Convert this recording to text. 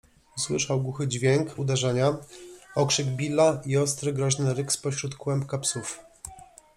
usłyszał głuchy dźwięk uderzenia, okrzyk Billa i ostry, groźny ryk spośród kłębka psów.